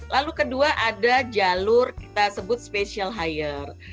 lalu kedua ada jalur kita sebut special hire